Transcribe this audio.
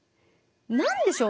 何でしょうね